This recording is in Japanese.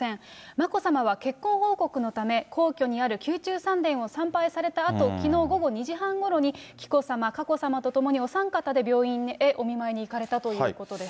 眞子さまは結婚報告のため、皇居にある宮中三殿を参拝されたあと、きのう午後２時半ごろに、紀子さま、佳子さまと共に、お三方で病院へお見舞いに行かれたということです。